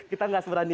kita gak ada yang tau